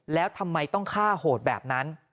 แล้วทำไมต้องฆ่าโหดแบบนั้น